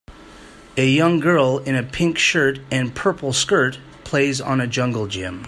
A young girl in a pink shirt and purple skirt plays on a jungle gym.